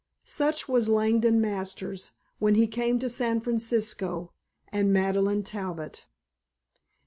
Such was Langdon Masters when he came to San Francisco and Madeleine Talbot.